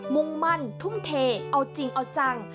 มุ่งมั่นทุ่มเทเอาจริงเอาจัง